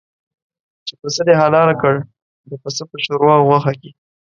چې پسه دې حلال کړ د پسه په شوروا او غوښه کې.